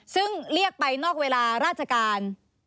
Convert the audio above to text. ซึ่งเรียกไปนอกเวลาราชการ